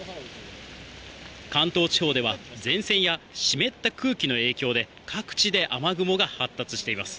関東地方では、前線や湿った空気の影響で、各地で雨雲が発達しています。